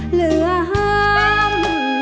เหลือห้าม